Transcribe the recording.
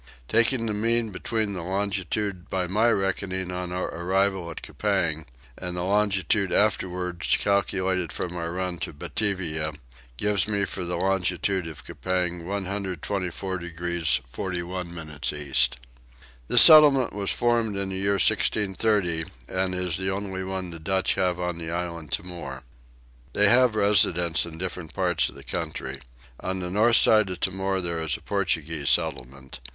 Taking the mean between the longitude by my reckoning on our arrival at Coupang, and the longitude afterwards calculated from our run to Batavia, gives me for the longitude of Coupang 124 degrees 41 minutes east. This settlement was formed in the year 1630 and is the only one the Dutch have on the island Timor. They have residents in different parts of the country. On the north side of Timor there is a Portuguese settlement.